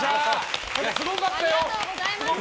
すごかったよ！